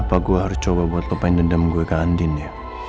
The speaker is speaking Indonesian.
apa gue harus coba buat lupain dendam gue ke andin ya